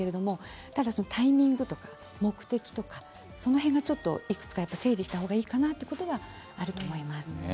ただそのタイミングとか目的とかその辺、いくつか整理した方がいいかなということはあると思います。